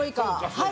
はい。